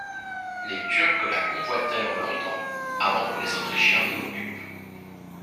Les Turcs la convoitèrent longtemps avant que les Autrichiens ne l'occupent.